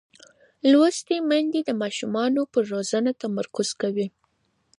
لوستې میندې د ماشوم پر روزنه تمرکز کوي.